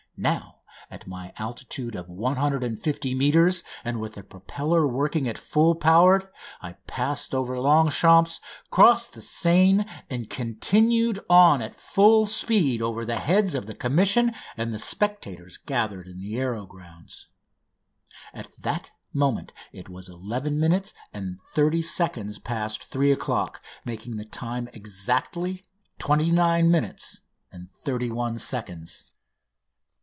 Now, at my high altitude of 150 metres and with the propeller working at full power, I passed above Longchamps, crossed the Seine, and continued on at full speed over the heads of the Commission and the spectators gathered in the Aéro Club's grounds. At that moment it was eleven minutes and thirty seconds past three o'clock, making the time exactly twenty nine minutes and thirty one seconds.